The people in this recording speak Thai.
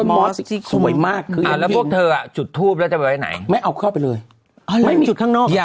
พวกเธออ่ะจุดทูปแล้วจะไปไหน